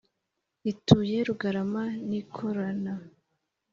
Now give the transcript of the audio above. Ituye Rugarama nikorana